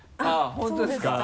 本当ですか？